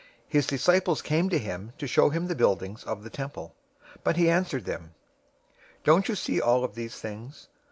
His disciples came to him to show him the buildings of the temple. 024:002 But he answered them, "Don't you see all of these things?